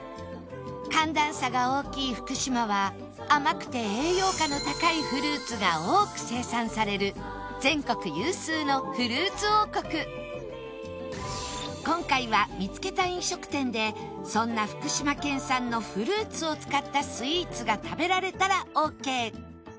寒暖差が大きい福島は甘くて栄養価の高いフルーツが多く生産される今回は見つけた飲食店でそんな福島県産のフルーツを使ったスイーツが食べられたらオーケー